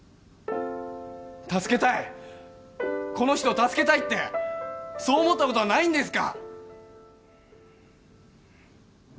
助けたいこの人を助けたいってそう思ったことはないんですか！？